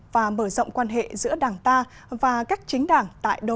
và mở rộng quan hệ giữa đảng ta và các chính đảng